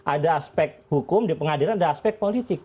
ada aspek hukum di pengadilan ada aspek politik